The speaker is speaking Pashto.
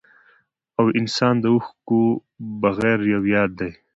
او انسان د اوښکو بغير يو ياد دی